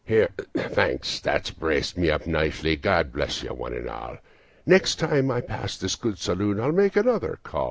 "There, thanks, that's braced me nicely; God bless you one and all; Next time I pass this good saloon I'll make another call.